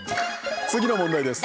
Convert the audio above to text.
次の問題です。